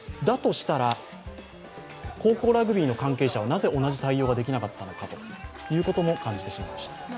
だとしたら、高校ラグビーの関係者はなぜ同じ対応ができなかったのかということも感じてしまいました。